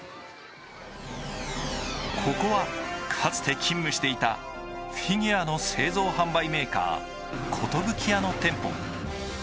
ここは、かつて勤務していたフィギュアの製造・販売メーカーコトブキヤの店舗。